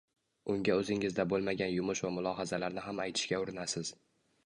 Unga o`zingizda bo`lmagan yumush va mulohazalarni ham aytishga urinasiz